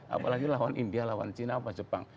apalagi lawan india lawan china apa jepang